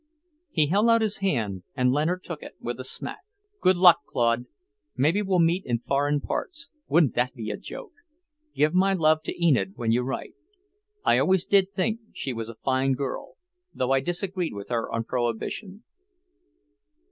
He held out his hand and Leonard took it with a smack. "Good luck, Claude. Maybe we'll meet in foreign parts. Wouldn't that be a joke! Give my love to Enid when you write. I always did think she was a fine girl, though I disagreed with her on Prohibition."